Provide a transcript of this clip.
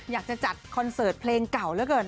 อยากจะจัดคอนเสิร์ตเพลงเก่าเหลือเกิน